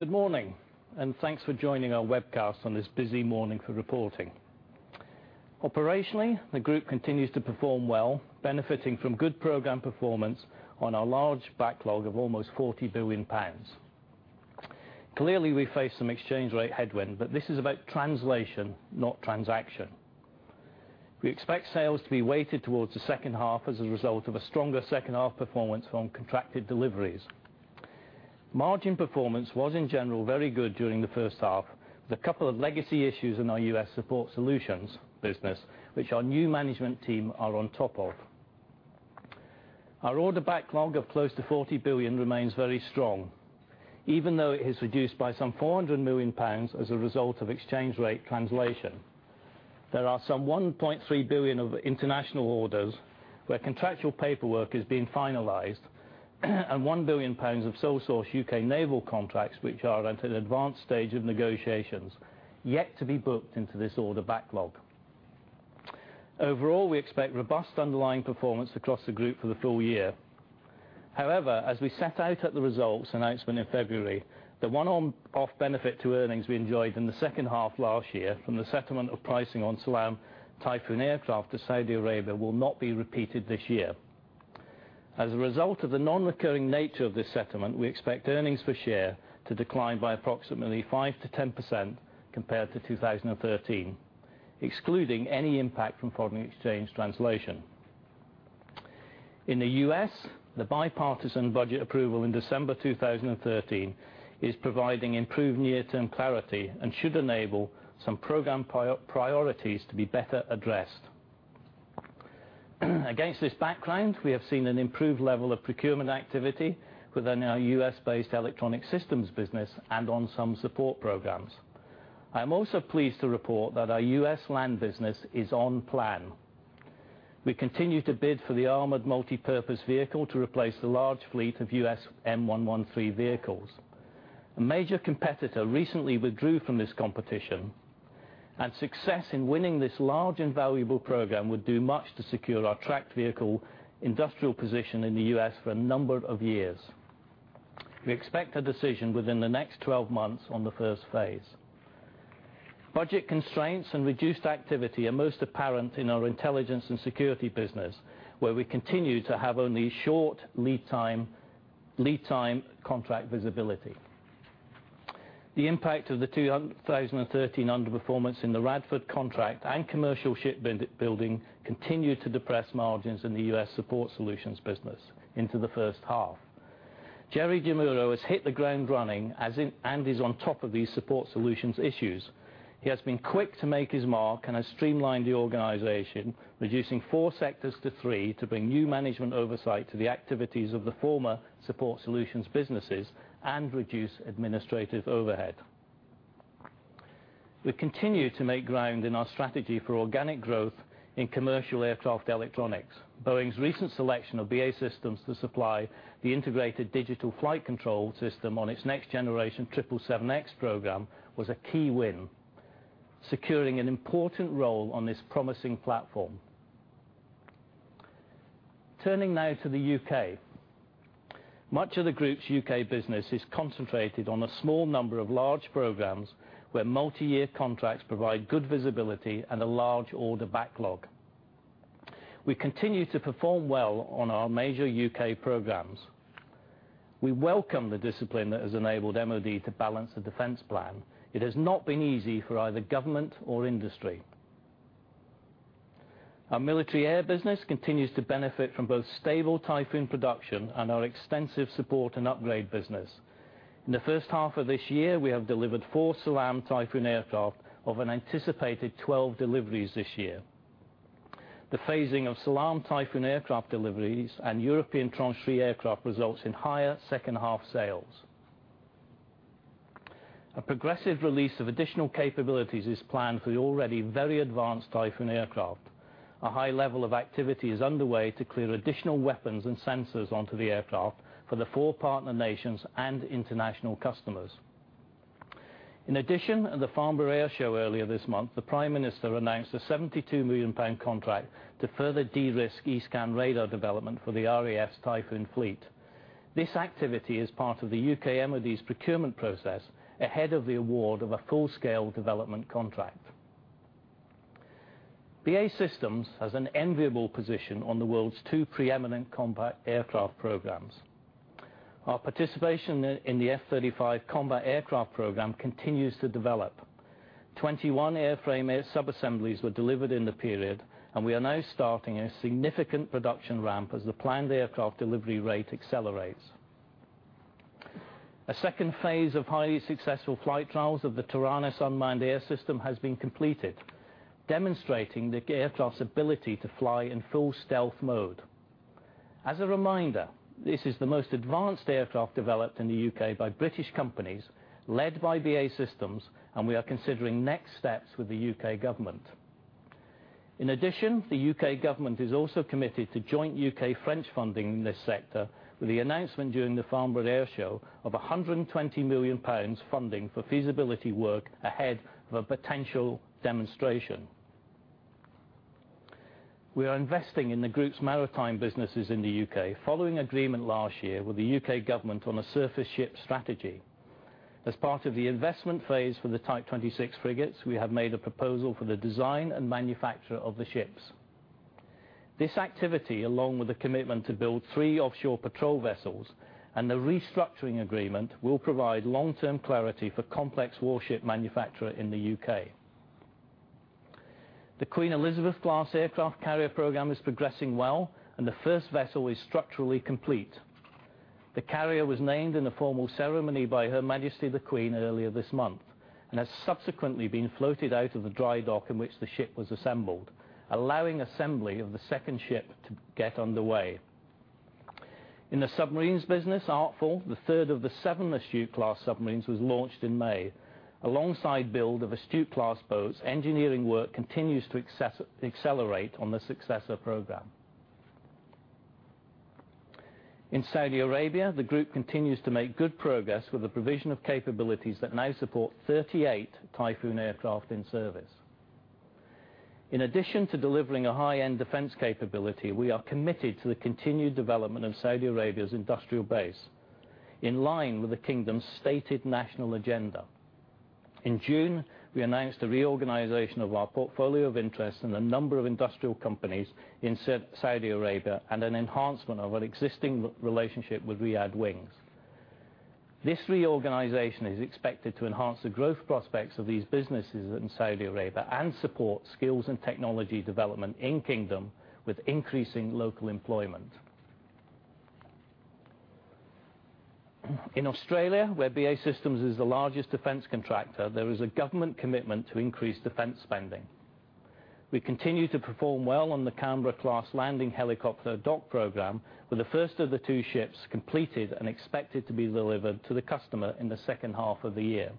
Good morning. Thanks for joining our webcast on this busy morning for reporting. Operationally, the group continues to perform well, benefiting from good program performance on our large backlog of almost 40 billion pounds. Clearly, we face some exchange rate headwind, but this is about translation, not transaction. We expect sales to be weighted towards the second half as a result of a stronger second half performance from contracted deliveries. Margin performance was in general very good during the first half, with a couple of legacy issues in our U.S. support solutions business, which our new management team are on top of. Our order backlog of close to 40 billion remains very strong, even though it is reduced by some 400 million pounds as a result of exchange rate translation. There are some 1.3 billion of international orders where contractual paperwork is being finalized, and 1 billion pounds of sole source U.K. naval contracts, which are at an advanced stage of negotiations, yet to be booked into this order backlog. Overall, we expect robust underlying performance across the group for the full year. However, as we set out at the results announcement in February, the one-off benefit to earnings we enjoyed in the second half last year from the settlement of pricing on Salam Typhoon aircraft to Saudi Arabia will not be repeated this year. As a result of the non-recurring nature of this settlement, we expect earnings per share to decline by approximately 5%-10% compared to 2013, excluding any impact from foreign exchange translation. In the U.S., the bipartisan budget approval in December 2013 is providing improved near-term clarity and should enable some program priorities to be better addressed. Against this background, we have seen an improved level of procurement activity within our U.S.-based electronic systems business and on some support programs. I am also pleased to report that our U.S. land business is on plan. We continue to bid for the Armored Multi-Purpose Vehicle to replace the large fleet of U.S. M113 vehicles. A major competitor recently withdrew from this competition, and success in winning this large and valuable program would do much to secure our tracked vehicle industrial position in the U.S. for a number of years. We expect a decision within the next 12 months on the first phase. Budget constraints and reduced activity are most apparent in our intelligence and security business, where we continue to have only short lead time contract visibility. The impact of the 2013 underperformance in the Radford contract and commercial shipbuilding continue to depress margins in the U.S. support solutions business into the first half. Jerry DeMuro has hit the ground running and is on top of these support solutions issues. He has been quick to make his mark and has streamlined the organization, reducing four sectors to three to bring new management oversight to the activities of the former support solutions businesses and reduce administrative overhead. We continue to make ground in our strategy for organic growth in commercial aircraft electronics. Boeing's recent selection of BAE Systems to supply the integrated digital flight control system on its next generation 777X program was a key win, securing an important role on this promising platform. Turning now to the U.K. Much of the group's U.K. business is concentrated on a small number of large programs, where multi-year contracts provide good visibility and a large order backlog. We continue to perform well on our major U.K. programs. We welcome the discipline that has enabled MOD to balance the defense plan. It has not been easy for either government or industry. Our military air business continues to benefit from both stable Typhoon production and our extensive support and upgrade business. In the first half of this year, we have delivered four Salam Typhoon aircraft of an anticipated 12 deliveries this year. The phasing of Salam Typhoon aircraft deliveries and European Tranche 3 aircraft results in higher second half sales. A progressive release of additional capabilities is planned for the already very advanced Typhoon aircraft. A high level of activity is underway to clear additional weapons and sensors onto the aircraft for the four partner nations and international customers. At the Farnborough Airshow earlier this month, the Prime Minister announced a 72 million pound contract to further de-risk E-Scan radar development for the RAF's Typhoon fleet. This activity is part of the U.K. MOD's procurement process ahead of the award of a full-scale development contract. BAE Systems has an enviable position on the world's two preeminent combat aircraft programs. Our participation in the F-35 combat aircraft program continues to develop. 21 airframe subassemblies were delivered in the period. We are now starting a significant production ramp as the planned aircraft delivery rate accelerates. A second phase of highly successful flight trials of the Taranis unmanned air system has been completed, demonstrating the aircraft's ability to fly in full stealth mode. As a reminder, this is the most advanced aircraft developed in the U.K. by British companies, led by BAE Systems, and we are considering next steps with the U.K. government. The U.K. government is also committed to joint U.K.-French funding in this sector with the announcement during the Farnborough Airshow of 120 million pounds funding for feasibility work ahead of a potential demonstration. We are investing in the group's maritime businesses in the U.K. following agreement last year with the U.K. government on a surface ship strategy. As part of the investment phase for the Type 26 frigates, we have made a proposal for the design and manufacture of the ships. This activity, along with a commitment to build three Offshore Patrol Vessels and the restructuring agreement, will provide long-term clarity for complex warship manufacture in the U.K. The Queen Elizabeth-class aircraft carrier program is progressing well, and the first vessel is structurally complete. The carrier was named in a formal ceremony by Her Majesty The Queen earlier this month, and has subsequently been floated out of the dry dock in which the ship was assembled, allowing assembly of the second ship to get underway. In the submarines business, Artful, the third of the seven Astute-class submarines, was launched in May. Alongside build of Astute-class boats, engineering work continues to accelerate on the Successor program. In Saudi Arabia, the group continues to make good progress with the provision of capabilities that now support 38 Typhoon aircraft in service. In addition to delivering a high-end defense capability, we are committed to the continued development of Saudi Arabia's industrial base, in line with the Kingdom's stated national agenda. In June, we announced a reorganization of our portfolio of interests in a number of industrial companies in Saudi Arabia, and an enhancement of an existing relationship with Riyadh Wings. This reorganization is expected to enhance the growth prospects of these businesses in Saudi Arabia, and support skills and technology development in Kingdom, with increasing local employment. In Australia, where BAE Systems is the largest defense contractor, there is a government commitment to increase defense spending. We continue to perform well on the Canberra-class Landing Helicopter Dock program, with the first of the two ships completed and expected to be delivered to the customer in the second half of the year.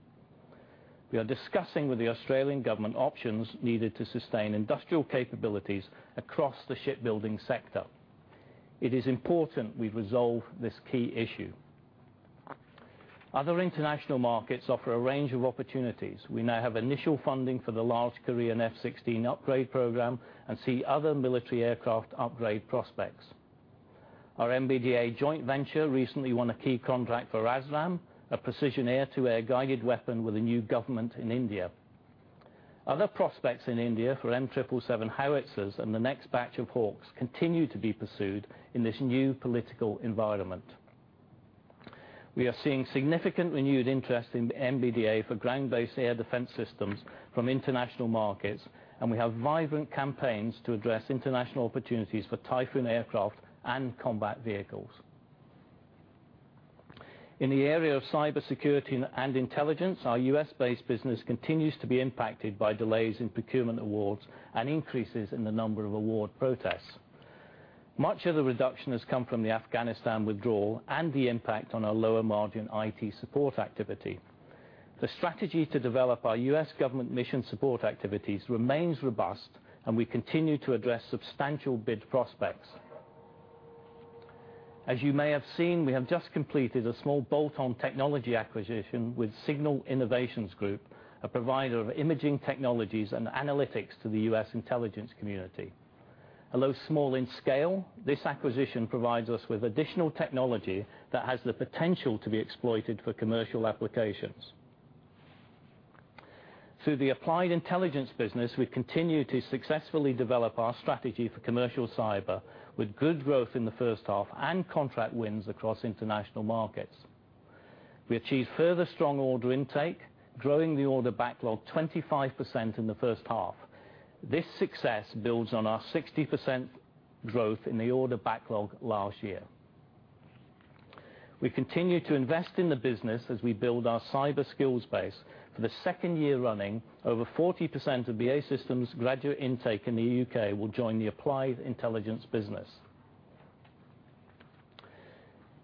We are discussing with the Australian government options needed to sustain industrial capabilities across the shipbuilding sector. It is important we resolve this key issue. Other international markets offer a range of opportunities. We now have initial funding for the large Korean F-16 upgrade program and see other military aircraft upgrade prospects. Our MBDA joint venture recently won a key contract for ASRAAM, a precision air-to-air guided weapon with a new government in India. Other prospects in India for M777 howitzers and the next batch of Hawks continue to be pursued in this new political environment. We are seeing significant renewed interest in MBDA for ground-based air defense systems from international markets, and we have vibrant campaigns to address international opportunities for Typhoon aircraft and combat vehicles. In the area of cybersecurity and intelligence, our U.S.-based business continues to be impacted by delays in procurement awards and increases in the number of award protests. Much of the reduction has come from the Afghanistan withdrawal and the impact on our lower-margin IT support activity. The strategy to develop our U.S. government mission support activities remains robust, and we continue to address substantial bid prospects. As you may have seen, we have just completed a small bolt-on technology acquisition with Signal Innovations Group, a provider of imaging technologies and analytics to the U.S. intelligence community. Although small in scale, this acquisition provides us with additional technology that has the potential to be exploited for commercial applications. Through the Applied Intelligence business, we continue to successfully develop our strategy for commercial cyber, with good growth in the first half and contract wins across international markets. We achieved further strong order intake, growing the order backlog 25% in the first half. This success builds on our 60% growth in the order backlog last year. We continue to invest in the business as we build our cyber skills base. For the second year running, over 40% of BAE Systems graduate intake in the U.K. will join the Applied Intelligence business.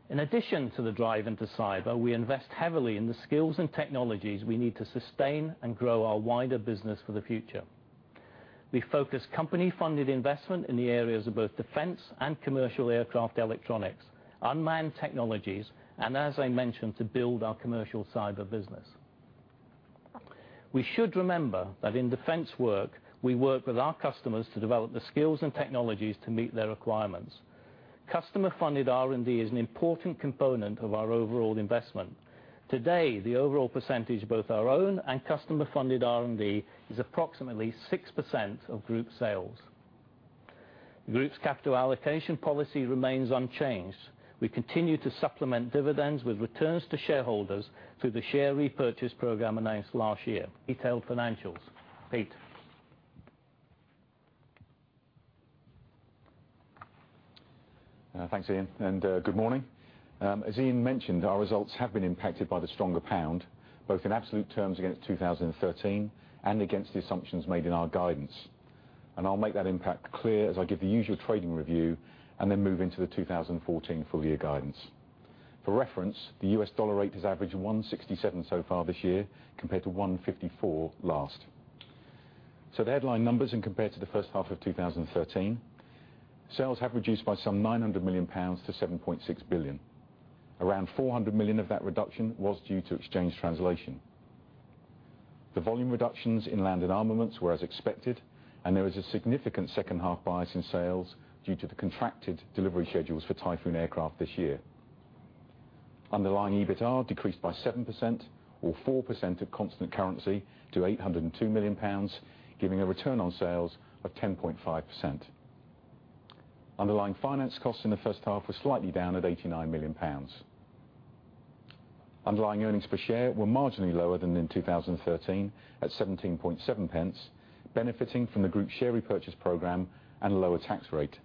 In addition to the drive into cyber, we invest heavily in the skills and technologies we need to sustain and grow our wider business for the future. We focus company-funded investment in the areas of both defense and commercial aircraft electronics, unmanned technologies, and, as I mentioned, to build our commercial cyber business. We should remember that in defense work, we work with our customers to develop the skills and technologies to meet their requirements. Customer-funded R&D is an important component of our overall investment. Today, the overall percentage, both our own and customer-funded R&D, is approximately 6% of group sales. The group's capital allocation policy remains unchanged. We continue to supplement dividends with returns to shareholders through the share repurchase program announced last year. Detailed financials. Pete? Thanks, Ian, and good morning. As Ian mentioned, our results have been impacted by the stronger pound, both in absolute terms against 2013 and against the assumptions made in our guidance. I'll make that impact clear as I give the usual trading review then move into the 2014 full-year guidance. For reference, the US dollar rate has averaged 167 so far this year, compared to 154 last. The headline numbers when compared to the first half of 2013, sales have reduced by some 900 million pounds to 7.6 billion. Around 400 million of that reduction was due to exchange translation. The volume reductions in land and armaments were as expected, there was a significant second half bias in sales due to the contracted delivery schedules for Typhoon aircraft this year. Underlying EBITA decreased by 7% or 4% at constant currency to 802 million pounds, giving a return on sales of 10.5%. Underlying finance costs in the first half were slightly down at 89 million pounds. Underlying earnings per share were marginally lower than in 2013 at 0.177, benefiting from the group share repurchase program and a lower tax rate,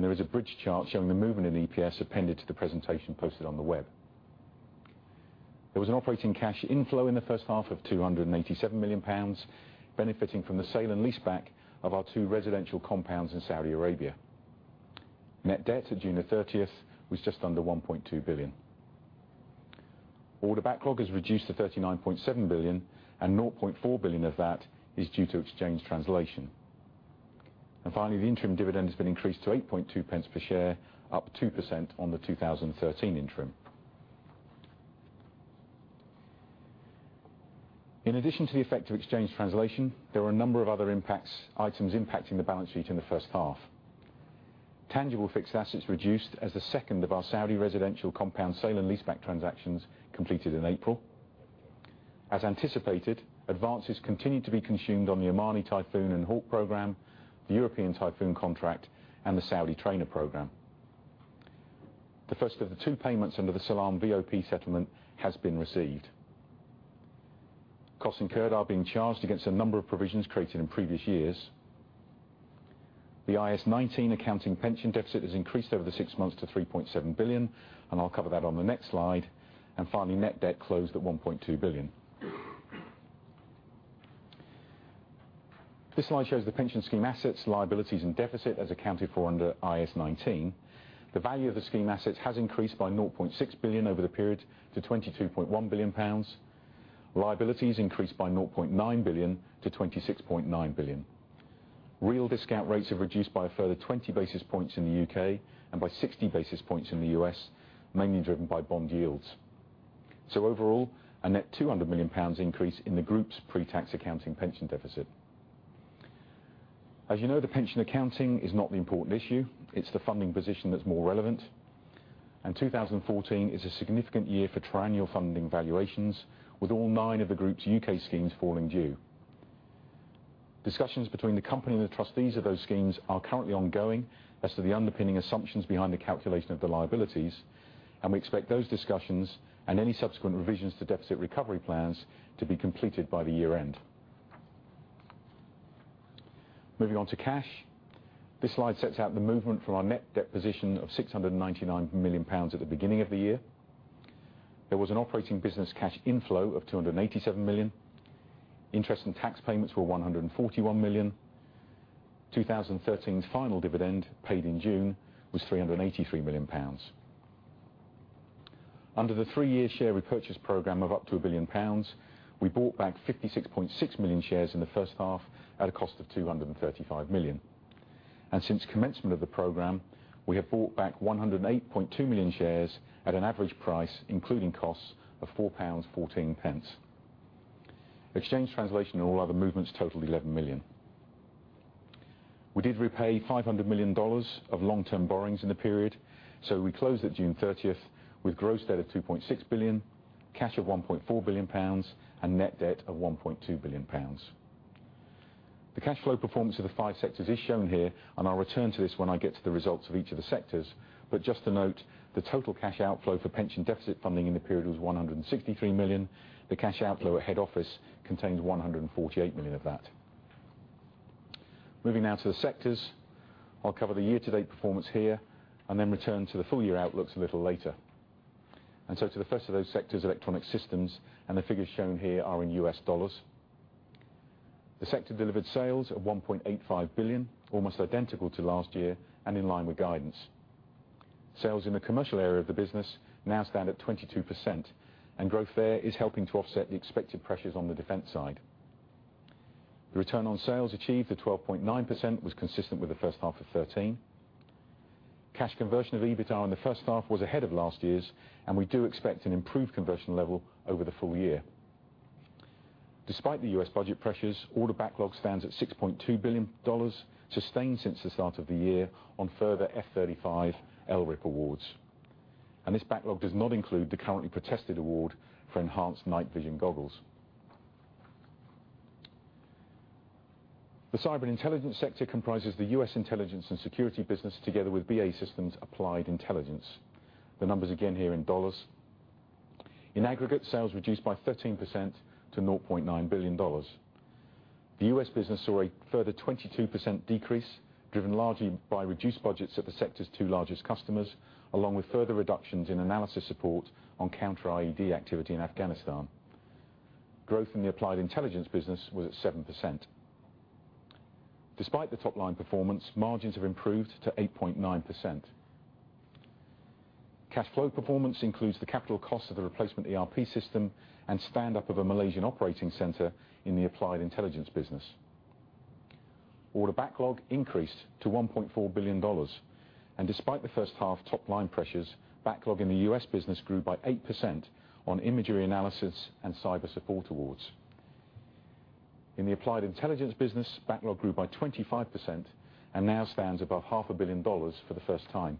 there is a bridge chart showing the movement in EPS appended to the presentation posted on the web. There was an operating cash inflow in the first half of 287 million pounds, benefiting from the sale and leaseback of our two residential compounds in Saudi Arabia. Net debt at June 30th was just under 1.2 billion. Order backlog is reduced to 39.7 billion 0.4 billion of that is due to exchange translation. Finally, the interim dividend has been increased to 0.082 per share, up 2% on the 2013 interim. In addition to the effect of exchange translation, there were a number of other items impacting the balance sheet in the first half. Tangible fixed assets reduced as the second of our Saudi residential compound sale and leaseback transactions completed in April. As anticipated, advances continued to be consumed on the Omani Typhoon and Hawk program, the European Typhoon contract, and the Saudi trainer program. The first of the two payments under the Salam BOP settlement has been received. Costs incurred are being charged against a number of provisions created in previous years. The IAS 19 accounting pension deficit has increased over the six months to 3.7 billion, I'll cover that on the next slide. Finally, net debt closed at 1.2 billion. This slide shows the pension scheme assets, liabilities, and deficit as accounted for under IAS 19. The value of the scheme assets has increased by 0.6 billion over the period to 22.1 billion pounds. Liabilities increased by 0.9 billion to 26.9 billion. Real discount rates have reduced by a further 20 basis points in the U.K. and by 60 basis points in the U.S., mainly driven by bond yields. Overall, a net 200 million pounds increase in the group's pre-tax accounting pension deficit. As you know, the pension accounting is not the important issue. It's the funding position that's more relevant. 2014 is a significant year for triennial funding valuations, with all nine of the group's U.K. schemes falling due. Discussions between the company and the trustees of those schemes are currently ongoing as to the underpinning assumptions behind the calculation of the liabilities, and we expect those discussions and any subsequent revisions to deficit recovery plans to be completed by the year-end. Moving on to cash. This slide sets out the movement from our net debt position of 699 million pounds at the beginning of the year. There was an operating business cash inflow of 287 million. Interest and tax payments were 141 million. 2013's final dividend, paid in June, was 383 million pounds. Under the three-year share repurchase program of up to 1 billion pounds, we bought back 56.6 million shares in the first half at a cost of 235 million. Since commencement of the program, we have bought back 108.2 million shares at an average price, including costs, of 4.14 pounds. Exchange translation and all other movements totaled 11 million. We did repay $500 million of long-term borrowings in the period, we closed at June 30th with gross debt of 2.6 billion, cash of 1.4 billion pounds, and net debt of 1.2 billion pounds. The cash flow performance of the five sectors is shown here, I'll return to this when I get to the results of each of the sectors. Just to note, the total cash outflow for pension deficit funding in the period was 163 million. The cash outflow at head office contains 148 million of that. Moving now to the sectors. I'll cover the year-to-date performance here then return to the full-year outlooks a little later. To the first of those sectors, electronic systems, the figures shown here are in U.S. dollars. The sector delivered sales of $1.85 billion, almost identical to last year and in line with guidance. Sales in the commercial area of the business now stand at 22%, growth there is helping to offset the expected pressures on the defense side. The return on sales achieved at 12.9% was consistent with the first half of 2013. Cash conversion of EBITA in the first half was ahead of last year's, we do expect an improved conversion level over the full year. Despite the U.S. budget pressures, order backlog stands at $6.2 billion, sustained since the start of the year on further F-35 LRIP awards. This backlog does not include the currently protested award for Enhanced Night Vision Goggle. The cyber and intelligence sector comprises the U.S. intelligence and security business together with BAE Systems Applied Intelligence. The numbers again here in dollars. In aggregate, sales reduced by 13% to $0.9 billion. The U.S. business saw a further 22% decrease, driven largely by reduced budgets at the sector's two largest customers, along with further reductions in analysis support on counter-IED activity in Afghanistan. Growth in the Applied Intelligence business was at 7%. Despite the top-line performance, margins have improved to 8.9%. Cash flow performance includes the capital cost of the replacement ERP system and stand-up of a Malaysian operating center in the Applied Intelligence business. Order backlog increased to GBP 1.4 billion, and despite the first half top-line pressures, backlog in the U.S. business grew by 8% on imagery analysis and cyber support awards. In the Applied Intelligence business, backlog grew by 25% and now stands above half a billion GBP for the first time.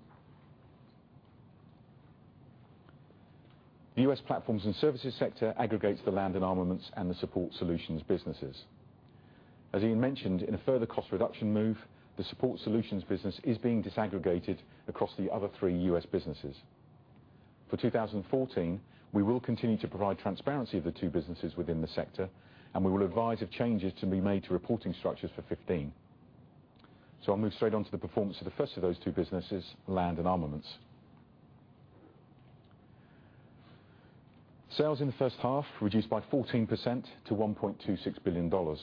The U.S. Platforms and Services sector aggregates the Land and Armaments and the Support Solutions businesses. As Ian mentioned, in a further cost reduction move, the Support Solutions business is being disaggregated across the other three U.S. businesses. For 2014, we will continue to provide transparency of the two businesses within the sector, and we will advise of changes to be made to reporting structures for 2015. I'll move straight on to the performance of the first of those two businesses, Land and Armaments. Sales in the first half reduced by 14% to $1.26 billion.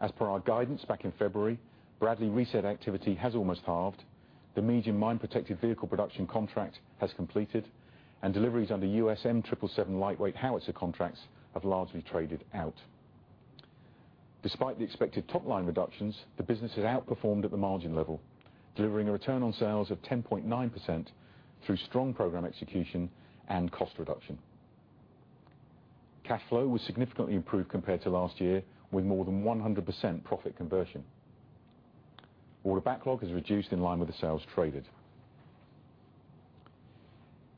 As per our guidance back in February, Bradley reset activity has almost halved, the Medium Mine Protected Vehicle production contract has completed, and deliveries under U.S. M777 lightweight howitzer contracts have largely traded out. Despite the expected top-line reductions, the business has outperformed at the margin level, delivering a return on sales of 10.9% through strong program execution and cost reduction. Cash flow was significantly improved compared to last year, with more than 100% profit conversion. Order backlog has reduced in line with the sales traded.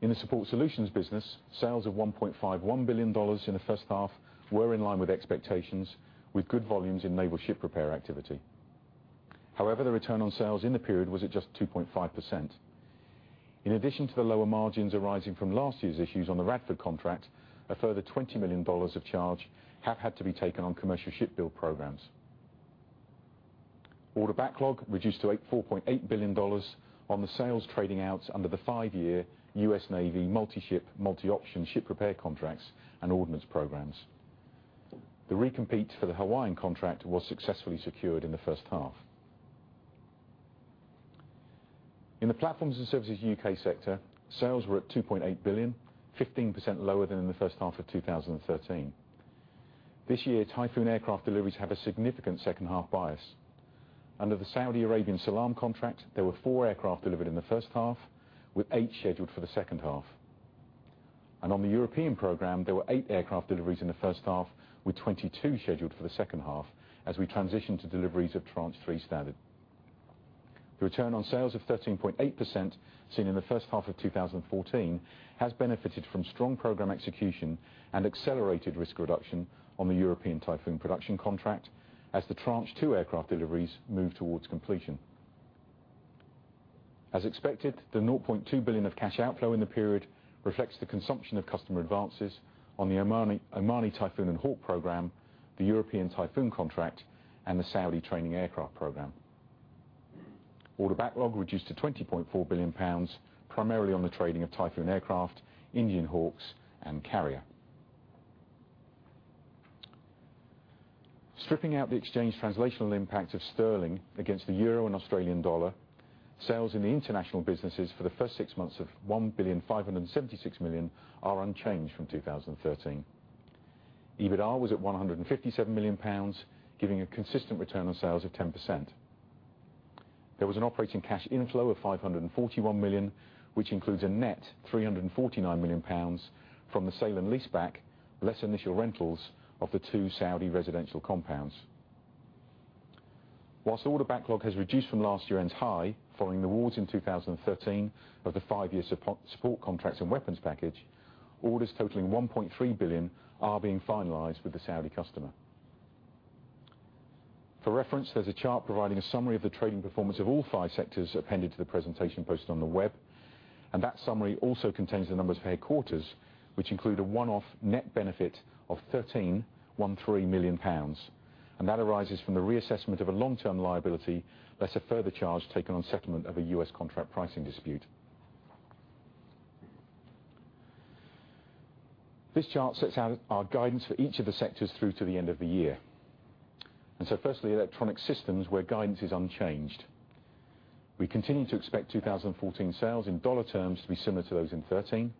In the Support Solutions business, sales of $1.51 billion in the first half were in line with expectations, with good volumes in naval ship repair activity. However, the return on sales in the period was at just 2.5%. In addition to the lower margins arising from last year's issues on the Radford contract, a further GBP 20 million of charge have had to be taken on commercial ship build programs. Order backlog reduced to GBP 4.8 billion on the sales trading outs under the 5-year U.S. Navy multi-ship, multi-option ship repair contracts and ordinance programs. The recompete for the Hawaiian contract was successfully secured in the first half. In the Platforms and Services UK sector, sales were at 2.8 billion, 15% lower than in the first half of 2013. This year, Typhoon aircraft deliveries have a significant second half bias. Under the Saudi Arabian SALAM contract, there were four aircraft delivered in the first half, with eight scheduled for the second half. On the European program, there were eight aircraft deliveries in the first half, with 22 scheduled for the second half, as we transition to deliveries of Tranche 3 standard. The return on sales of 13.8% seen in the first half of 2014 has benefited from strong program execution and accelerated risk reduction on the European Typhoon production contract, as the Tranche 2 aircraft deliveries move towards completion. As expected, the 0.2 billion of cash outflow in the period reflects the consumption of customer advances on the Omani Typhoon and Hawk program, the European Typhoon contract, and the Saudi training aircraft program. Order backlog reduced to 20.4 billion pounds, primarily on the trading of Typhoon aircraft, Indian Hawks, and Carrier. Stripping out the exchange translational impact of sterling against the EUR and AUD, sales in the international businesses for the first six months of 1,576 million are unchanged from 2013. EBITDA was at 157 million pounds, giving a consistent return on sales of 10%. There was an operating cash inflow of 541 million, which includes a net 349 million pounds from the sale and lease back, less initial rentals of the two Saudi residential compounds. Whilst order backlog has reduced from last year-end's high, following the awards in 2013 of the five-year support contracts and weapons package, orders totaling 1.3 billion are being finalized with the Saudi customer. For reference, there's a chart providing a summary of the trading performance of all five sectors appended to the presentation posted on the web, and that summary also contains the numbers for Headquarters, which include a one-off net benefit of 13 million pounds. That arises from the reassessment of a long-term liability, less a further charge taken on settlement of a U.S. contract pricing dispute. This chart sets out our guidance for each of the sectors through to the end of the year. Firstly, Electronic Systems, where guidance is unchanged. We continue to expect 2014 sales in dollar terms to be similar to those in 2013.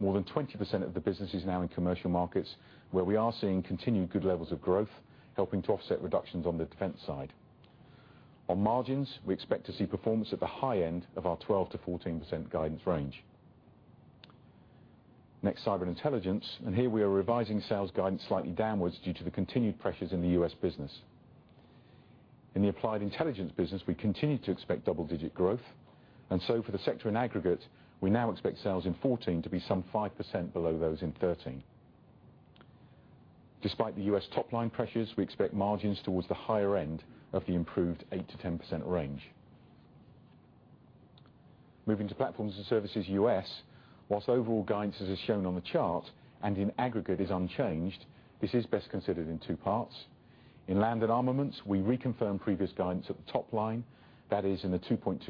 More than 20% of the business is now in commercial markets, where we are seeing continued good levels of growth, helping to offset reductions on the defense side. On margins, we expect to see performance at the high end of our 12%-14% guidance range. Next, Cyber Intelligence, here we are revising sales guidance slightly downwards due to the continued pressures in the U.S. business. In the Applied Intelligence business, we continue to expect double-digit growth, for the sector in aggregate, we now expect sales in 2014 to be some 5% below those in 2013. Despite the U.S. top-line pressures, we expect margins towards the higher end of the improved 8%-10% range. Moving to Platforms and Services U.S., whilst overall guidance, as is shown on the chart, in aggregate is unchanged, this is best considered in two parts. In Land and Armaments, we reconfirm previous guidance at the top line, that is in the $2.25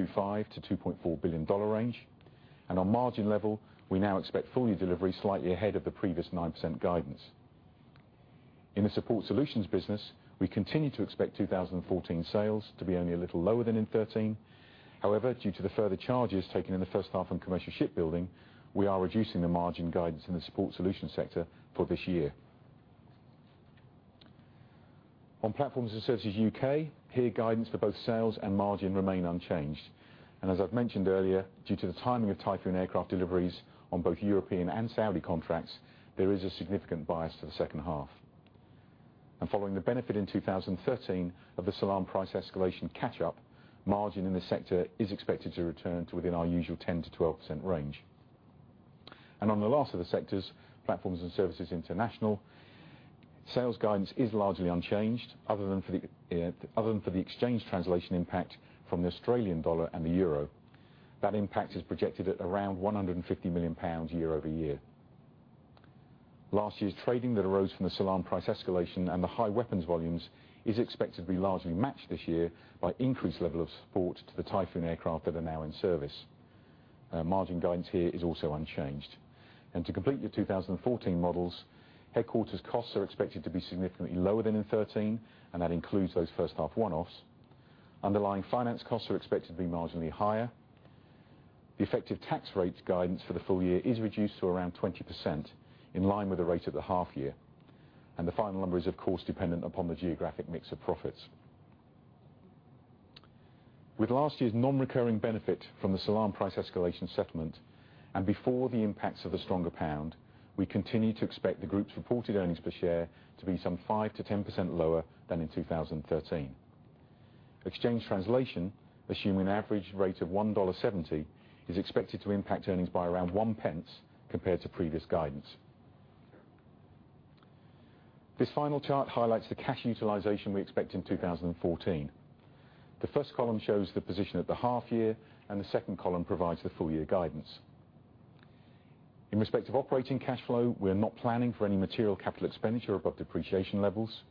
billion-$2.4 billion range. On margin level, we now expect full-year delivery slightly ahead of the previous 9% guidance. In the Support Solutions business, we continue to expect 2014 sales to be only a little lower than in 2013. However, due to the further charges taken in the first half on commercial shipbuilding, we are reducing the margin guidance in the Support Solutions sector for this year. On Platforms and Services U.K., peer guidance for both sales and margin remain unchanged. As I've mentioned earlier, due to the timing of Typhoon aircraft deliveries on both European and Saudi contracts, there is a significant bias to the second half. Following the benefit in 2013 of the Salam price escalation catch-up, margin in this sector is expected to return to within our usual 10%-12% range. On the last of the sectors, Platforms and Services International, sales guidance is largely unchanged, other than for the exchange translation impact from the AUD and the EUR. That impact is projected at around 150 million pounds year-over-year. Last year's trading that arose from the Salam price escalation and the high weapons volumes is expected to be largely matched this year by increased level of support to the Typhoon aircraft that are now in service. Margin guidance here is also unchanged. To complete your 2014 models, headquarters costs are expected to be significantly lower than in 2013, and that includes those first half one-offs. Underlying finance costs are expected to be marginally higher. The effective tax rates guidance for the full year is reduced to around 20%, in line with the rate of the half year. The final number is, of course, dependent upon the geographic mix of profits. With last year's non-recurring benefit from the Salam price escalation settlement and before the impacts of the stronger pound, we continue to expect the group's reported earnings per share to be some 5%-10% lower than in 2013. Exchange translation, assuming an average rate of $1.70, is expected to impact earnings by around 0.01 compared to previous guidance. This final chart highlights the cash utilization we expect in 2014. The first column shows the position at the half year, the second column provides the full year guidance. In respect of operating cash flow, we're not planning for any material capital expenditure above depreciation levels.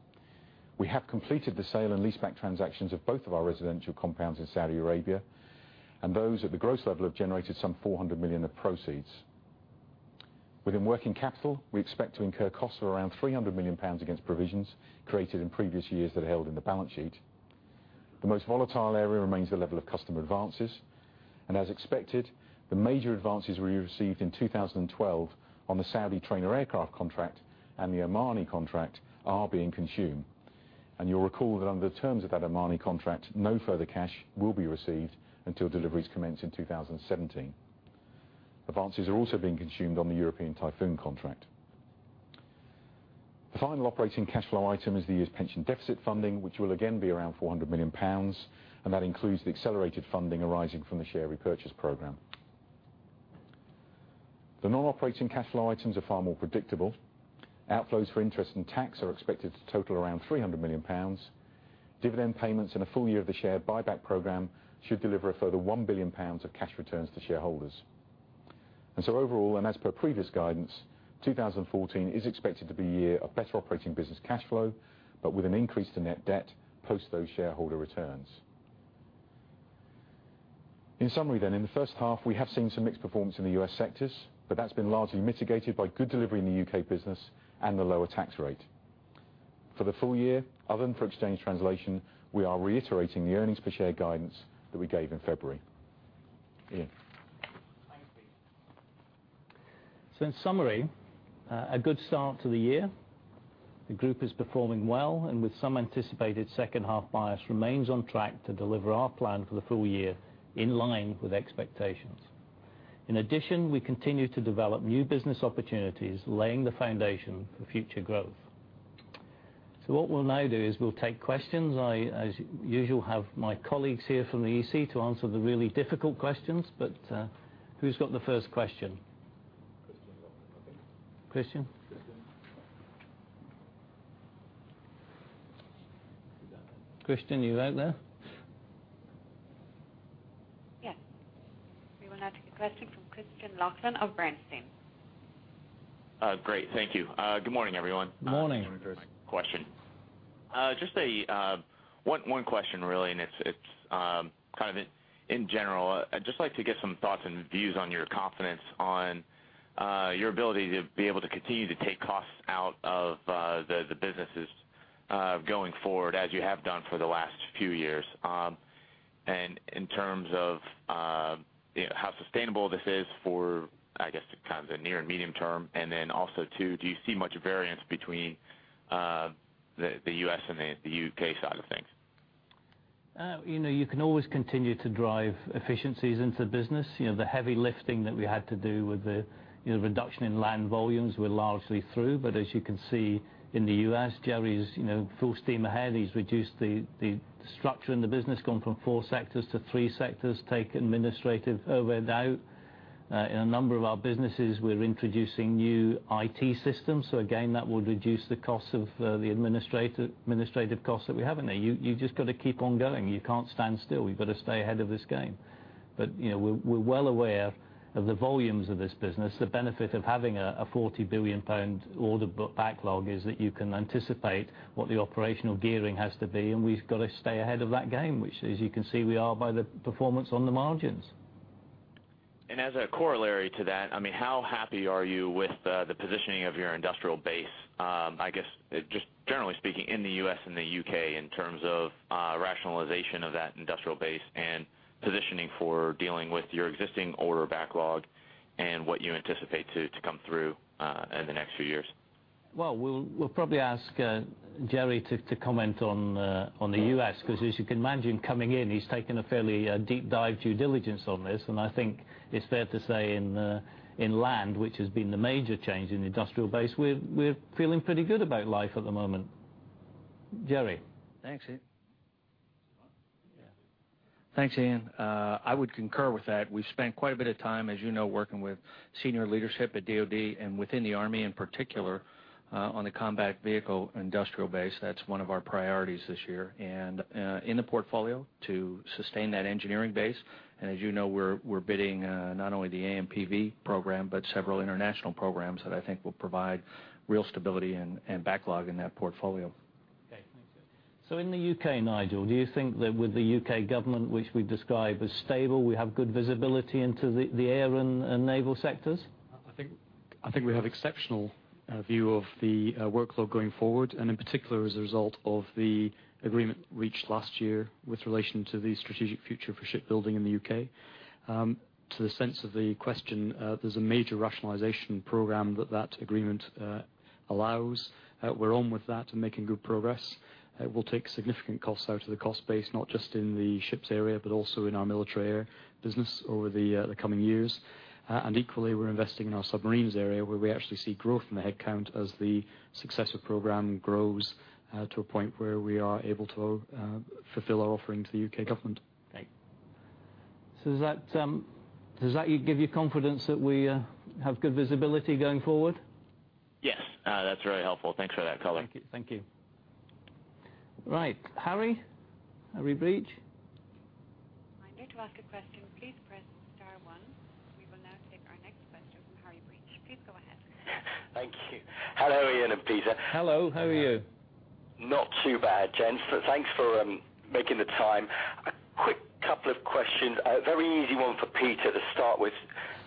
We have completed the sale and leaseback transactions of both of our residential compounds in Saudi Arabia, and those at the gross level have generated some $400 million of proceeds. Within working capital, we expect to incur costs of around 300 million pounds against provisions created in previous years that are held in the balance sheet. The most volatile area remains the level of customer advances, as expected, the major advances we received in 2012 on the Saudi trainer aircraft contract and the Omani contract are being consumed. You will recall that under the terms of that Omani contract, no further cash will be received until deliveries commence in 2017. Advances are also being consumed on the European Typhoon contract. The final operating cash flow item is the year's pension deficit funding, which will again be around 400 million pounds, and that includes the accelerated funding arising from the share repurchase program. The normal operating cash flow items are far more predictable. Outflows for interest and tax are expected to total around 300 million pounds. Dividend payments and a full year of the share buyback program should deliver a further 1 billion pounds of cash returns to shareholders. Overall, as per previous guidance, 2014 is expected to be a year of better operating business cash flow, but with an increase to net debt post those shareholder returns. In summary then, in the first half, we have seen some mixed performance in the U.S. sectors, but that's been largely mitigated by good delivery in the U.K. business and the lower tax rate. For the full year, other than for exchange translation, we are reiterating the earnings per share guidance that we gave in February. Ian? Thank you. In summary, a good start to the year. The group is performing well, and with some anticipated second half bias, remains on track to deliver our plan for the full year in line with expectations. In addition, we continue to develop new business opportunities, laying the foundation for future growth. What we'll now do is we'll take questions. I, as usual, have my colleagues here from the EC to answer the really difficult questions. Who's got the first question? Christian, I think. Christian? Christian. Christian, are you out there? Yes. We will now take a question from Christian Menard of Bernstein. Great. Thank you. Good morning, everyone. Morning. First question. Just one question, really. It's kind of in general. I'd just like to get some thoughts and views on your confidence on your ability to be able to continue to take costs out of the businesses going forward as you have done for the last few years. In terms of how sustainable this is for, I guess, kind of the near and medium term. Also, too, do you see much variance between the U.S. and the U.K. side of things? You can always continue to drive efficiencies into the business. The heavy lifting that we had to do with the reduction in land volumes, we're largely through. As you can see in the U.S., Gerry is full steam ahead. He's reduced the structure in the business, gone from 4 sectors to 3 sectors, take administrative overhead out. In a number of our businesses, we're introducing new IT systems. Again, that will reduce the administrative costs that we have in there. You just got to keep on going. You can't stand still. We've got to stay ahead of this game. We're well aware of the volumes of this business. The benefit of having a 40 billion pound order backlog is that you can anticipate what the operational gearing has to be. We've got to stay ahead of that game, which, as you can see, we are by the performance on the margins. As a corollary to that, how happy are you with the positioning of your industrial base, I guess, just generally speaking, in the U.S. and the U.K.? In terms of rationalization of that industrial base and positioning for dealing with your existing order backlog and what you anticipate to come through in the next few years. We'll probably ask Jerry to comment on the U.S., because as you can imagine, coming in, he's taken a fairly deep dive due diligence on this, and I think it's fair to say in land, which has been the major change in industrial base, we're feeling pretty good about life at the moment. Jerry? Thanks, Ian. I would concur with that. We've spent quite a bit of time, as you know, working with senior leadership at DoD and within the Army in particular, on the combat vehicle industrial base. That's one of our priorities this year, and in the portfolio to sustain that engineering base. As you know, we're bidding not only the AMPV program, but several international programs that I think will provide real stability and backlog in that portfolio. Okay, thanks. In the U.K., Nigel, do you think that with the U.K. government, which we describe as stable, we have good visibility into the air and naval sectors? I think we have exceptional view of the workload going forward and in particular as a result of the agreement reached last year with relation to the strategic future for shipbuilding in the U.K. To the sense of the question, there's a major rationalization program that that agreement allows. We're on with that and making good progress. It will take significant costs out of the cost base, not just in the ships area, but also in our military air business over the coming years. Equally, we're investing in our submarines area, where we actually see growth in the headcount as the Successor program grows to a point where we are able to fulfill our offering to the U.K. government. Okay. Does that give you confidence that we have good visibility going forward? Yes. That's very helpful. Thanks for that color. Thank you. Right. Harry Breach? Reminder to ask a question, please press star one. We will now take our next question from Harry Breach. Please go ahead. Thank you. Hello, Ian and Peter. Hello, how are you? Not too bad, gents. Thanks for making the time. A quick couple of questions. A very easy one for Peter to start with,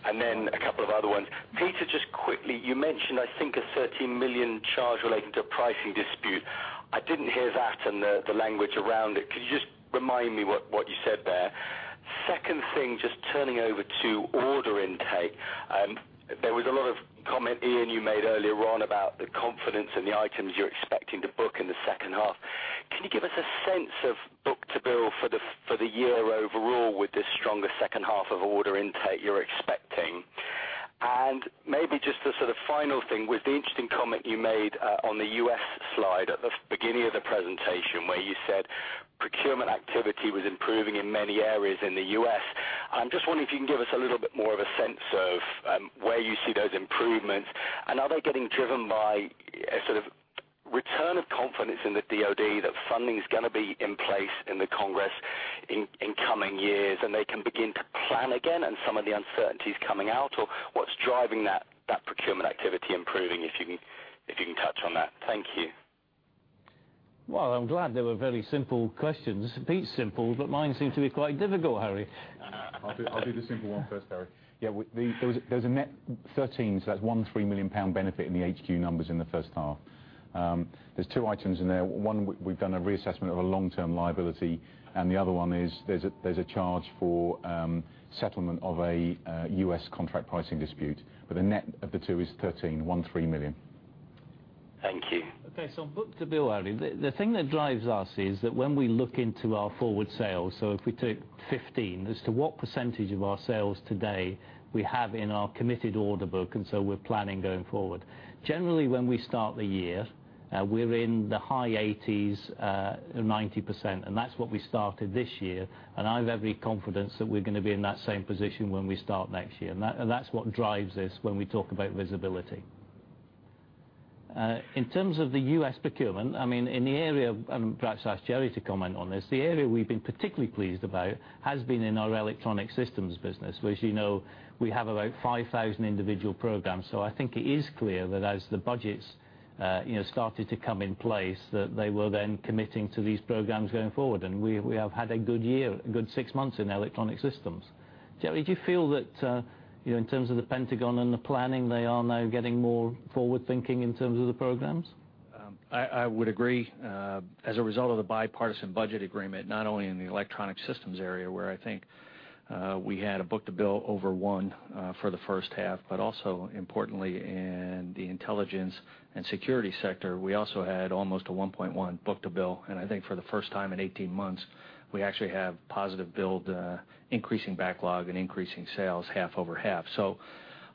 and then a couple of other ones. Peter, just quickly, you mentioned I think a 13 million charge relating to a pricing dispute. I didn't hear that and the language around it. Could you just remind me what you said there? Second thing, just turning over to order intake. There was a lot of comment, Ian, you made earlier on about the confidence and the items you're expecting to book in the second half. Can you give us a sense of book-to-bill for the year overall with the stronger second half of order intake you're expecting? Maybe just a sort of final thing was the interesting comment you made on the U.S. slide at the beginning of the presentation where you said procurement activity was improving in many areas in the U.S. I'm just wondering if you can give us a little bit more of a sense of where you see those improvements, and are they getting driven by a sort of return of confidence in the DoD that funding's going to be in place in the Congress in coming years, and they can begin to plan again and some of the uncertainty's coming out, or what's driving that procurement activity improving, if you can touch on that. Thank you. Well, I'm glad they were very simple questions. Pete's simple, but mine seem to be quite difficult, Harry. I'll do the simple one first, Harry. Yeah, there was a net 13, so that's 1.3 million pound benefit in the HQ numbers in the first half. There's two items in there. One, we've done a reassessment of a long-term liability, and the other one is there's a charge for settlement of a U.S. contract pricing dispute. The net of the two is 13 million. Thank you. Book-to-bill, Harry, the thing that drives us is that when we look into our forward sales, if we take 15 as to what percentage of our sales today we have in our committed order book, we're planning going forward. Generally, when we start the year, we're in the high 80s, 90%, that's what we started this year, and I have every confidence that we're going to be in that same position when we start next year. That's what drives us when we talk about visibility. In terms of the U.S. procurement, I mean, in the area, and perhaps I'll ask Jerry to comment on this, the area we've been particularly pleased about has been in our electronic systems business. Which you know, we have about 5,000 individual programs. I think it is clear that as the budgets started to come in place, that they were then committing to these programs going forward, we have had a good year, a good six months in electronic systems. Jerry, do you feel that in terms of The Pentagon and the planning, they are now getting more forward-thinking in terms of the programs? I would agree. As a result of the bipartisan budget agreement, not only in the electronic systems area, where I think we had a book-to-bill over one for the first half, but also importantly in the intelligence and security sector, we also had almost a 1.1 book-to-bill, and I think for the first time in 18 months, we actually have positive build increasing backlog and increasing sales half over half.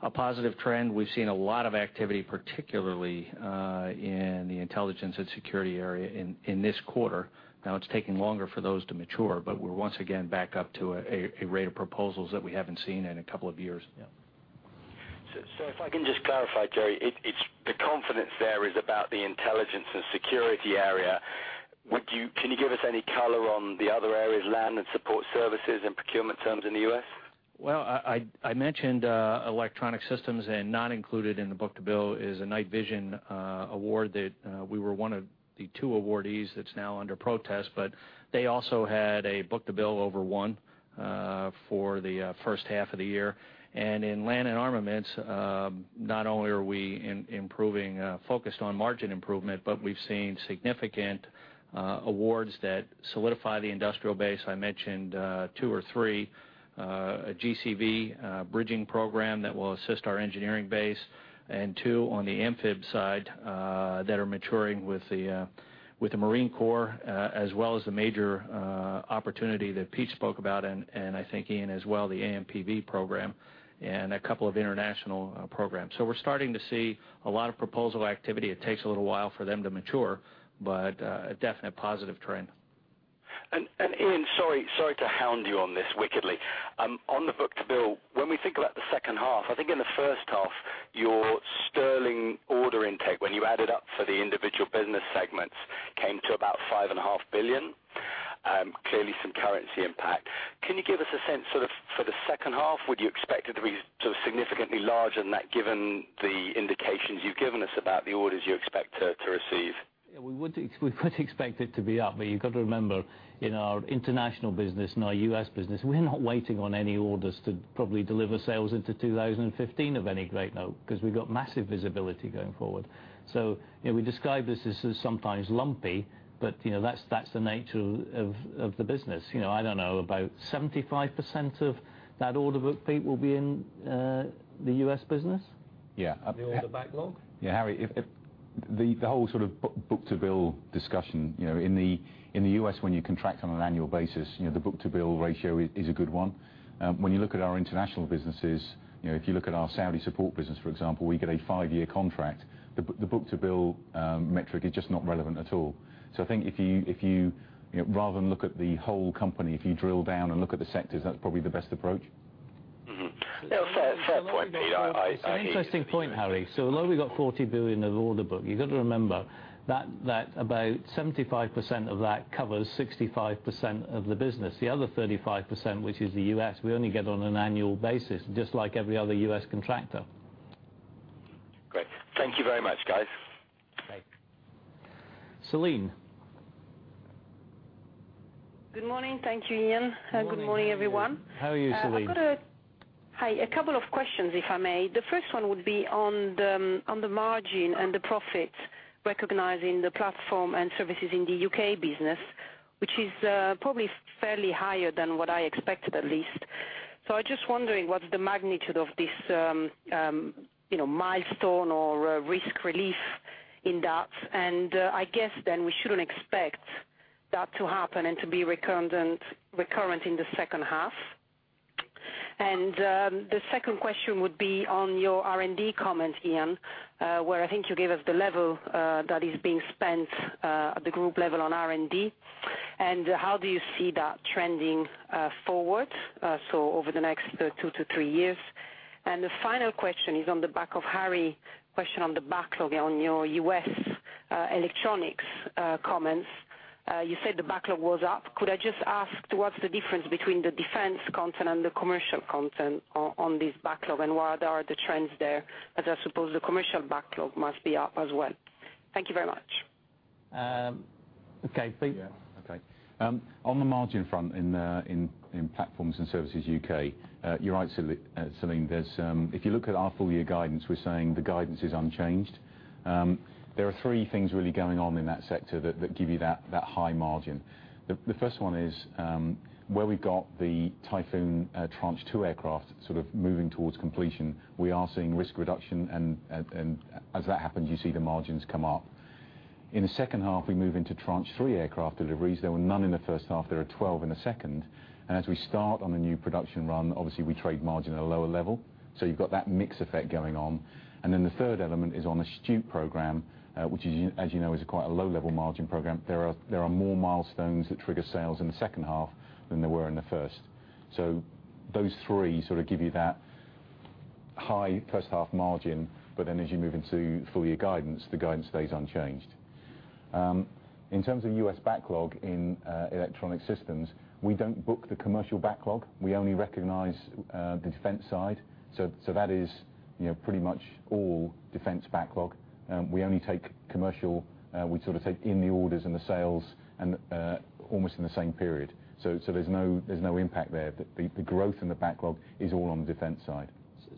A positive trend. We've seen a lot of activity, particularly in the intelligence and security area in this quarter. It's taking longer for those to mature, but we're once again back up to a rate of proposals that we haven't seen in a couple of years. If I can just clarify, Jerry, the confidence there is about the intelligence and security area. Can you give us any color on the other areas, land and support services and procurement centers in the U.S.? I mentioned electronic systems, not included in the book-to-bill is a night vision award that we were one of the two awardees that is now under protest, but they also had a book-to-bill over one for the first half of the year. In land and armaments, not only are we focused on margin improvement, but we have seen significant awards that solidify the industrial base. I mentioned two or three, a GCV bridging program that will assist our engineering base, and two on the amphib side that are maturing with the Marine Corps, as well as the major opportunity that Pete spoke about, and I think Ian as well, the AMPV program, and a couple of international programs. We are starting to see a lot of proposal activity. It takes a little while for them to mature, but a definite positive trend. Ian, sorry to hound you on this wickedly. On the book-to-bill, when we think about the second half, I think in the first half, your sterling order intake, when you add it up for the individual business segments, came to about 5.5 billion. Clearly some currency impact. Can you give us a sense for the second half? Would you expect it to be significantly larger than that, given the indications you have given us about the orders you expect to receive? We would expect it to be up, but you have got to remember, in our international business, in our U.S. business, we are not waiting on any orders to probably deliver sales into 2015 of any great note, because we have got massive visibility going forward. We describe this as sometimes lumpy, but that is the nature of the business. I do not know, about 75% of that order book, Pete, will be in the U.S. business? Yeah. The order backlog. Yeah, Harry, the whole book-to-bill discussion, in the U.S. when you contract on an annual basis, the book-to-bill ratio is a good one. When you look at our international businesses, if you look at our Saudi support business, for example, we get a five-year contract. The book-to-bill metric is just not relevant at all. I think if you rather than look at the whole company, if you drill down and look at the sectors, that is probably the best approach. Mm-hmm. Fair point, Pete. An interesting point, Harry. Although we've got 40 billion of order book, you've got to remember that about 75% of that covers 65% of the business. The other 35%, which is the U.S., we only get on an annual basis, just like every other U.S. contractor. Great. Thank you very much, guys. Okay. Celine. Good morning. Thank you, Ian. Good morning. Good morning, everyone. How are you, Celine? I've got a couple of questions, if I may. The first one would be on the margin and the profits, recognizing the Platforms and Services in the U.K. business, which is probably fairly higher than what I expected, at least. I'm just wondering, what's the magnitude of this milestone or risk relief in that? I guess then we shouldn't expect that to happen and to be recurrent in the second half. The second question would be on your R&D comment, Ian, where I think you gave us the level that is being spent at the group level on R&D. How do you see that trending forward, so over the next two to three years? The final question is on the back of Harry question on the backlog on your U.S. electronics comments. You said the backlog was up. Could I just ask what's the difference between the defense content and the commercial content on this backlog, what are the trends there, as I suppose the commercial backlog must be up as well? Thank you very much. Okay, Pete? Yeah, okay. On the margin front in Platforms and Services U.K., you're right, Celine. If you look at our full-year guidance, we're saying the guidance is unchanged. There are three things really going on in that sector that give you that high margin. The first one is, where we got the Typhoon Tranche 2 aircraft moving towards completion, we are seeing risk reduction and as that happens, you see the margins come up. In the second half, we move into Tranche 3 aircraft deliveries. There were none in the first half. There are 12 in the second. As we start on a new production run, obviously, we trade margin at a lower level. You've got that mix effect going on. Then the third element is on the Astute program, which as you know, is quite a low-level margin program. There are more milestones that trigger sales in the second half than there were in the first. Those three give you that high first half margin, then as you move into full-year guidance, the guidance stays unchanged. In terms of U.S. backlog in Electronic Systems, we don't book the commercial backlog. We only recognize the defense side. That is pretty much all defense backlog. We only take commercial, we take in the orders and the sales and almost in the same period. There's no impact there. The growth in the backlog is all on the defense side.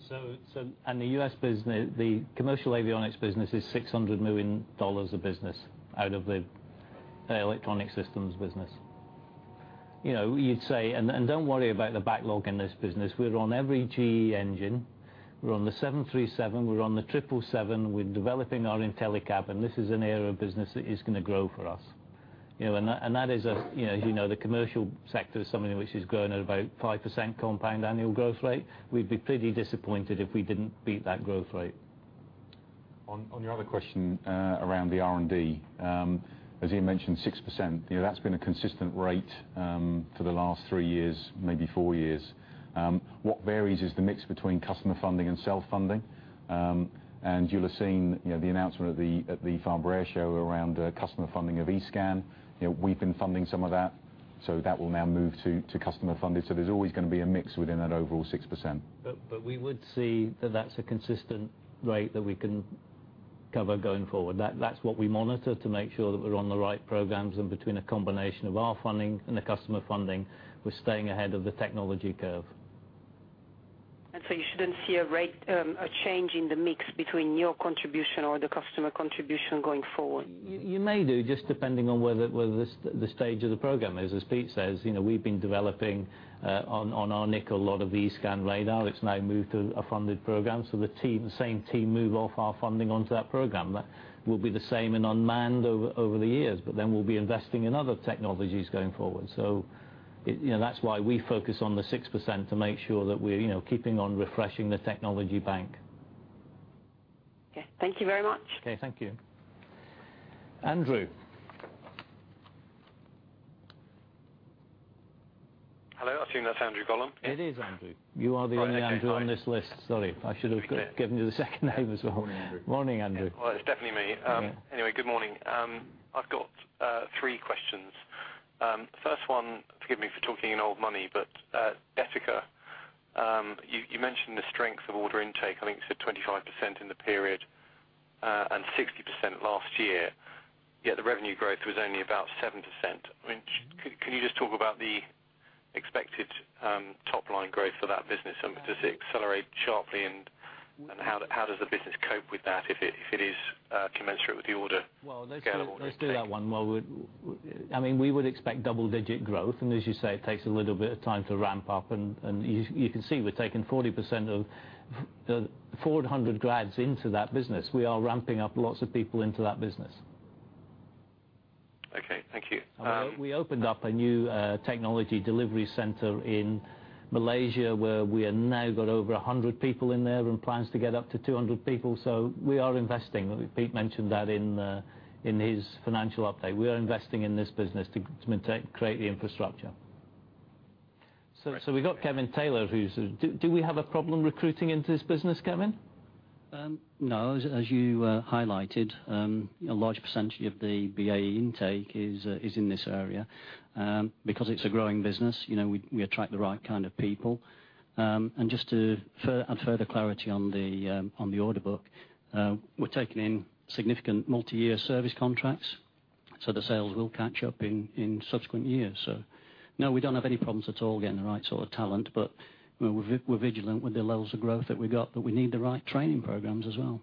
The U.S. business, the commercial avionics business is GBP 600 million of business out of the Electronic Systems business. Don't worry about the backlog in this business. We're on every GE engine. We're on the 737. We're on the 777. We're developing our IntelliCabin, this is an area of business that is going to grow for us. As you know, the commercial sector is something which is growing at about 5% compound annual growth rate. We'd be pretty disappointed if we didn't beat that growth rate. On your other question around the R&D, as Ian mentioned, 6%. That's been a consistent rate for the last three years, maybe four years. What varies is the mix between customer funding and self-funding. You'll have seen the announcement at the Farnborough Airshow around customer funding of E-Scan. We've been funding some of that. That will now move to customer funded. There's always going to be a mix within that overall 6%. We would see that that's a consistent rate that we can cover going forward. That's what we monitor to make sure that we're on the right programs and between a combination of our funding and the customer funding, we're staying ahead of the technology curve. You shouldn't see a change in the mix between your contribution or the customer contribution going forward? You may do, just depending on where the stage of the program is. As Pete says, we've been developing, on our nickel, a lot of the E-Scan radar. It's now moved to a funded program, so the same team move off our funding onto that program. That will be the same in unmanned over the years, but then we'll be investing in other technologies going forward. That's why we focus on the 6%, to make sure that we're keeping on refreshing the technology bank. Okay. Thank you very much. Okay. Thank you, Andrew. Hello. I assume that's Andrew Gollan. It is Andrew. You are the only Andrew on this list. Sorry. That's okay. Fine. I should have given you the second name as well. Morning, Andrew. Morning, Andrew. Well, it's definitely me. Anyway, good morning. I've got three questions. First one, forgive me for talking in old money, but Detica, you mentioned the strength of order intake. I think you said 25% in the period, and 60% last year. Yet the revenue growth was only about 7%. Can you just talk about the expected top-line growth for that business, and does it accelerate sharply, and how does the business cope with that if it is commensurate with the order gain or order take? Well, let's do that one. I mean, we would expect double-digit growth, and as you say, it takes a little bit of time to ramp up, and you can see we're taking 40% of the 400 grads into that business. We are ramping up lots of people into that business. Okay. Thank you. We opened up a new technology delivery center in Malaysia, where we have now got over 100 people in there and plans to get up to 200 people, so we are investing. Pete mentioned that in his financial update. We are investing in this business to create the infrastructure. We've got Kevin Taylor. Do we have a problem recruiting into this business, Kevin? No. As you highlighted, a large percentage of the BAE Systems intake is in this area. Because it's a growing business, we attract the right kind of people. Just to add further clarity on the order book, we're taking in significant multi-year service contracts, the sales will catch up in subsequent years. No, we don't have any problems at all getting the right sort of talent. We're vigilant with the levels of growth that we've got, that we need the right training programs as well.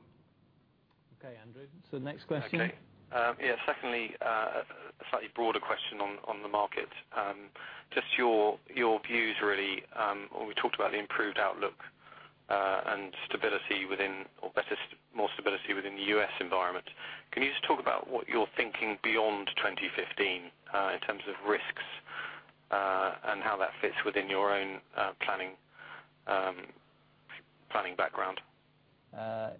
Okay, Andrew. Next question. Okay. Yeah. Secondly, a slightly broader question on the market. Just your views, really. We talked about the improved outlook, and more stability within the U.S. environment. Can you just talk about what you're thinking beyond 2015, in terms of risks, and how that fits within your own planning background?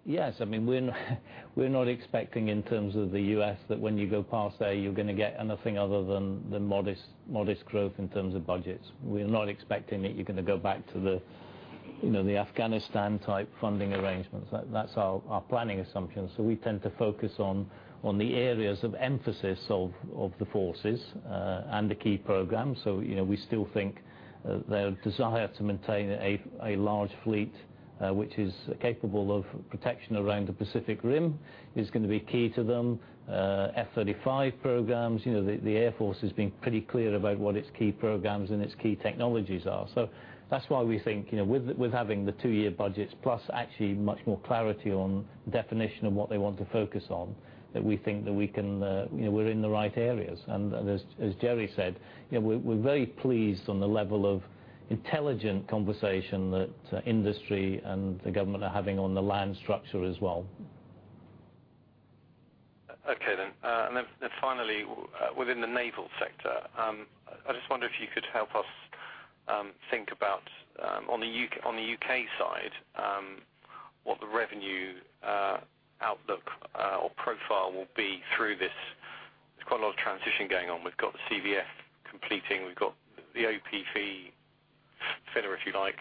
Yes. We're not expecting, in terms of the U.S., that when you go past A, you're going to get anything other than modest growth in terms of budgets. We're not expecting that you're going to go back to the Afghanistan-type funding arrangements. That's our planning assumption. We tend to focus on the areas of emphasis of the forces, and the key programs. We still think, their desire to maintain a large fleet, which is capable of protection around the Pacific Rim is going to be key to them. F-35 programs, the Air Force has been pretty clear about what its key programs and its key technologies are. That's why we think, with having the two-year budgets plus actually much more clarity on definition of what they want to focus on, that we think that we're in the right areas. As Jerry said, we're very pleased on the level of intelligent conversation that industry and the government are having on the land structure as well. Okay then. Finally, within the naval sector, I just wonder if you could help us think about, on the U.K. side, what the revenue outlook or profile will be through this. There's quite a lot of transition going on. We've got the CVF completing, we've got the OPV filler, if you like,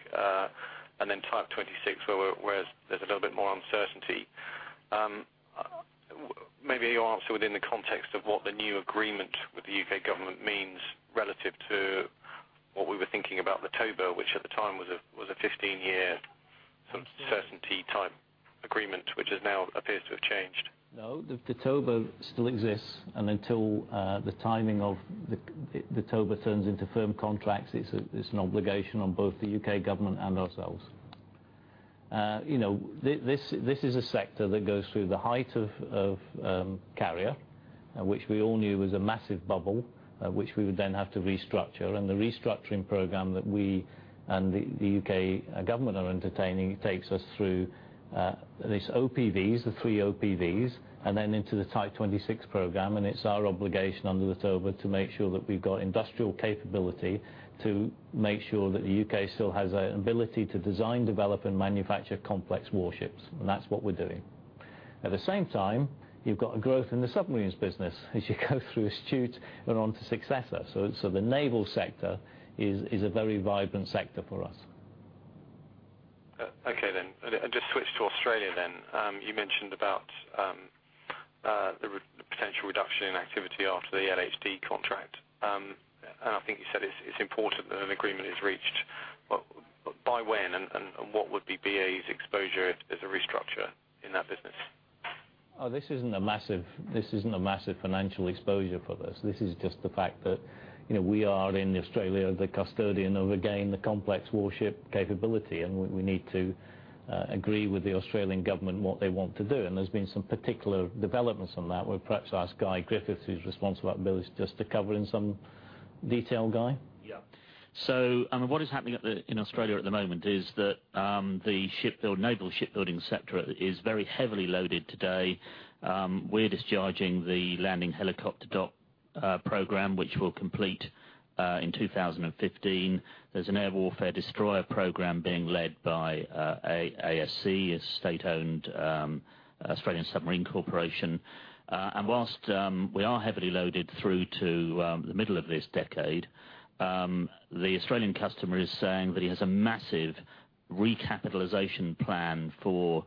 and then Type 26, where there's a little bit more uncertainty. Maybe you'll answer within the context of what the new agreement with the U.K. government means relative to what we were thinking about the TOBA, which at the time was a 15-year certainty type agreement, which now appears to have changed. No, the TOBA still exists, and until the timing of the TOBA turns into firm contracts, it's an obligation on both the U.K. government and ourselves. This is a sector that goes through the height of carrier, which we all knew was a massive bubble, which we would then have to restructure, and the restructuring program that we and the U.K. government are entertaining takes us through these OPVs, the 3 OPVs, and then into the Type 26 program, and it's our obligation under the TOBA to make sure that we've got industrial capability to make sure that the U.K. still has an ability to design, develop, and manufacture complex warships. That's what we're doing. At the same time, you've got a growth in the submarines business as you go through Astute and on to Successor. The naval sector is a very vibrant sector for us. Just switch to Australia then. You mentioned about the potential reduction in activity after the LHD contract, and I think you said it's important that an agreement is reached. By when, and what would be BAE's exposure if there's a restructure in that business? This isn't a massive financial exposure for this. This is just the fact that, we are, in Australia, the custodian of, again, the complex warship capability, and we need to agree with the Australian government what they want to do. There's been some particular developments on that, where perhaps ask Guy Griffiths, who's responsible at Military, just to cover in some detail. Guy? Yeah. What is happening in Australia at the moment is that, the Naval Shipbuilding Sector is very heavily loaded today. We're discharging the Landing Helicopter Dock program, which will complete in 2015. There's an Air Warfare Destroyer program being led by ASC, a state-owned Australian Submarine Corporation. Whilst we are heavily loaded through to the middle of this decade, the Australian customer is saying that he has a massive recapitalization plan for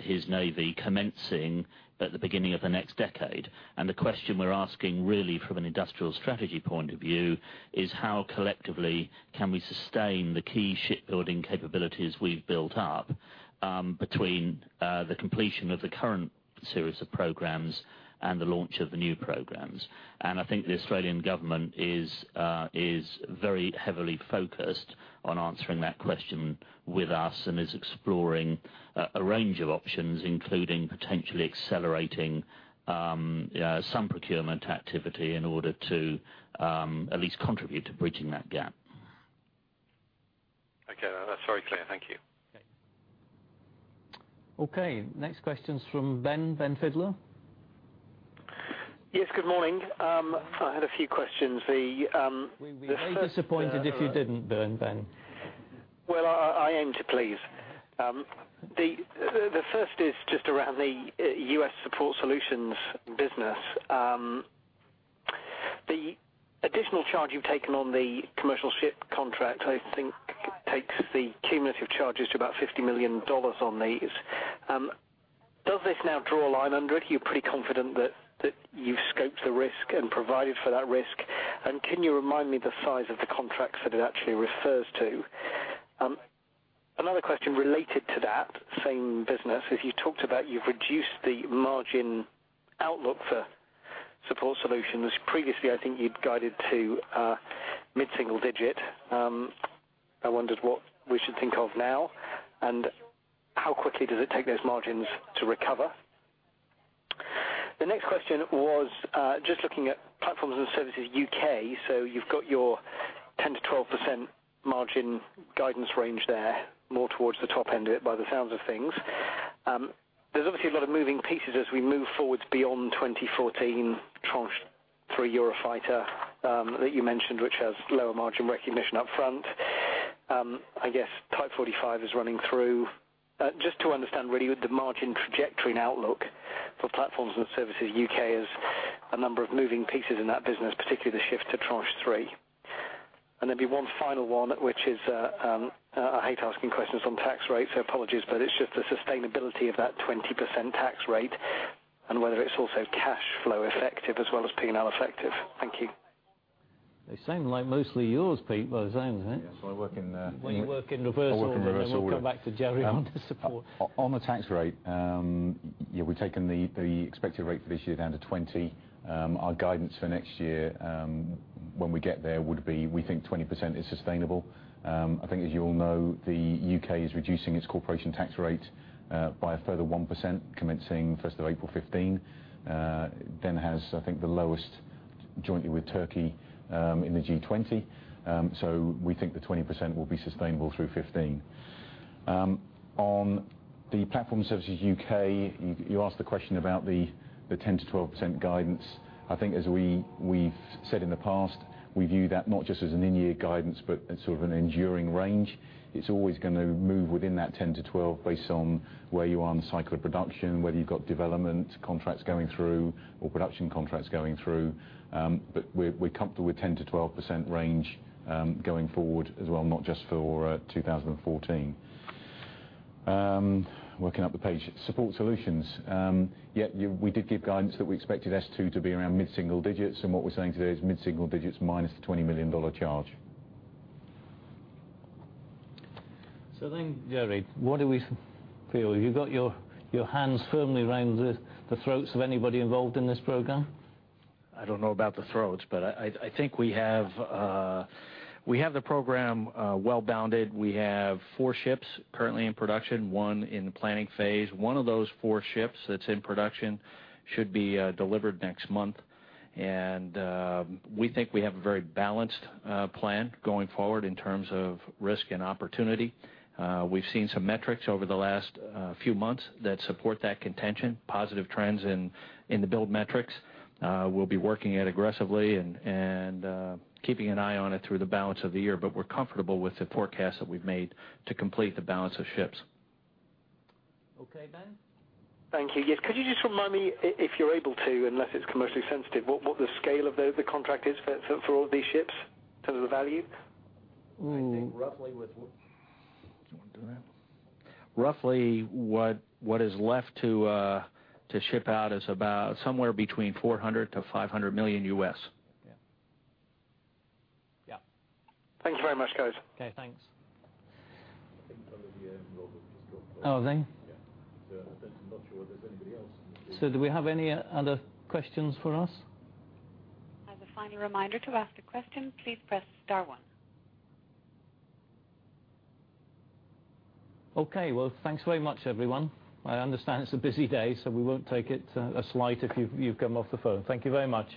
his navy, commencing at the beginning of the next decade. The question we're asking, really from an industrial strategy point of view, is how collectively can we sustain the key shipbuilding capabilities we've built up, between the completion of the current series of programs and the launch of the new programs. I think the Australian government is very heavily focused on answering that question with us and is exploring a range of options, including potentially accelerating some procurement activity in order to at least contribute to bridging that gap. Okay. That's very clear. Thank you. Okay. Okay, next question's from Ben. Ben Heelan? Yes, good morning. I had a few questions. We'd be very disappointed if you didn't, Ben. Well, I aim to please. The first is just around the U.S. support solutions business. The additional charge you've taken on the commercial ship contract, I think, takes the cumulative charges to about $50 million on these. Does this now draw a line under it? Are you pretty confident that you've scoped the risk and provided for that risk? Can you remind me the size of the contracts that it actually refers to? Another question related to that same business is you talked about you've reduced the margin outlook for support solutions. Previously, I think you'd guided to mid-single digit. I wondered what we should think of now, how quickly does it take those margins to recover? The next question was just looking at Platforms and Services U.K. You've got your 10%-12% margin guidance range there, more towards the top end of it by the sounds of things. There's obviously a lot of moving pieces as we move forward beyond 2014, Tranche 3 Eurofighter that you mentioned, which has lower margin recognition upfront. I guess Type 45 is running through. Just to understand really what the margin trajectory and outlook for Platforms and Services UK as a number of moving pieces in that business, particularly the shift to Tranche 3. And there'd be one final one, which is, I hate asking questions on tax rates, so apologies, but it's just the sustainability of that 20% tax rate and whether it's also cash flow effective as well as P&L effective. Thank you. They sound like mostly yours, Pete, by the sounds of it. Yes, I work in. You work in reversal. I work in reversal order We'll come back to Jerry on the support. On the tax rate, we've taken the expected rate for this year down to 20%. Our guidance for next year, when we get there, would be, we think 20% is sustainable. I think as you all know, the U.K. is reducing its corporation tax rate by a further 1%, commencing April 1, 2015, then has, I think, the lowest jointly with Turkey, in the G20. We think the 20% will be sustainable through 2015. On the Platform Services U.K., you asked the question about the 10%-12% guidance. I think as we've said in the past, we view that not just as an in-year guidance, but as sort of an enduring range. It's always going to move within that 10%-12% based on where you are in the cycle of production, whether you've got development contracts going through or production contracts going through. We're comfortable with 10%-12% range, going forward as well, not just for 2014. Working up the page. Support solutions. We did give guidance that we expected H2 to be around mid-single digits, what we're saying today is mid-single digits minus the GBP 20 million charge. Jerry, what do we feel? You got your hands firmly around the throats of anybody involved in this program? I don't know about the throats, but I think we have the program well-bounded. We have four ships currently in production, one in the planning phase. One of those four ships that's in production should be delivered next month. We think we have a very balanced plan going forward in terms of risk and opportunity. We've seen some metrics over the last few months that support that contention, positive trends in the build metrics. We'll be working it aggressively and keeping an eye on it through the balance of the year. We're comfortable with the forecast that we've made to complete the balance of ships. Okay, Ben? Thank you. Yes, could you just remind me, if you're able to, unless it's commercially sensitive, what the scale of the contract is for all of these ships in terms of the value? I think roughly. Do you want to do that? Roughly what is left to ship out is about somewhere between $400 million-$500 million U.S., yeah. Yeah. Thank you very much, guys. Okay, thanks. I think some of the involvement has gone first. Oh, have they? Yeah. I'm not sure if there's anybody else on the phone. Do we have any other questions for us? As a final reminder, to ask a question, please press star one. Okay. Well, thanks very much, everyone. I understand it's a busy day, so we won't take it as slight if you've come off the phone. Thank you very much.